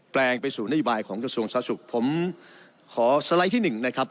ลงไปสู่นโยบายของกระทรวงสาธารสุขผมขอสไลด์ที่หนึ่งนะครับ